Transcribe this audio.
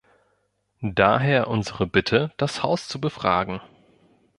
Daher unsere Bitte, das Haus zu befragen.